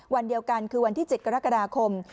วันเดียวกันคือวันที่๗กรกฎาคม